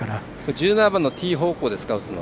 １７番のティー方向ですか打つのは。